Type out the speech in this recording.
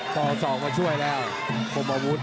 ต่อสอบมาช่วยแล้วโบบวุทธ์